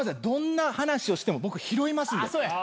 どんな話をしても僕拾いますんで。